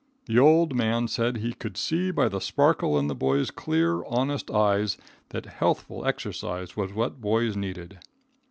The old man said he could see by the sparkle in the boy's clear, honest eyes, that healthful exercise was what boys needed.